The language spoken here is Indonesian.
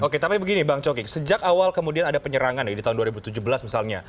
oke tapi begini bang cokik sejak awal kemudian ada penyerangan di tahun dua ribu tujuh belas misalnya